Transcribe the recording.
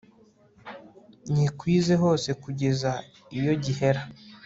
nyikwize hose kugeza iyo gihera